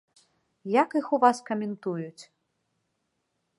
Як іх у вас каментуюць?